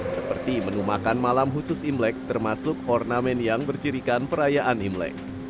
seperti menu makan malam khusus imlek termasuk ornamen yang bercirikan perayaan imlek